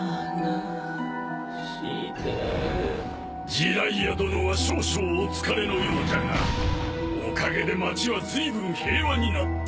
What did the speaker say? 児雷也殿は少々お疲れのようじゃがおかげで町はずいぶん平和になった。